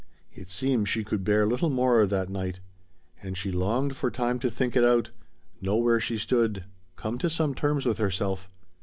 It seemed she could bear little more that night. And she longed for time to think it out, know where she stood, come to some terms with herself.